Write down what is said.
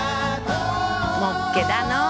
もっけだの。